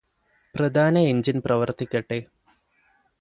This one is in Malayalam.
പ്രധാന എന്ജിന് പ്രവര്ത്തിക്കട്ടെ